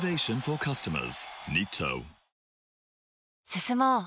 進もう。